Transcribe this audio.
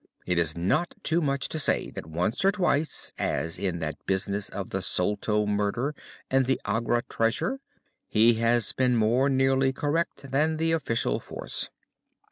It is not too much to say that once or twice, as in that business of the Sholto murder and the Agra treasure, he has been more nearly correct than the official force."